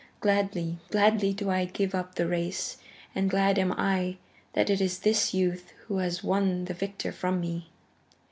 Gladly, gladly do I give up the race, and glad am I that it is this youth who has won the victory from me."